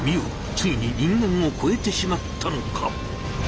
ついに人間をこえてしまったのか。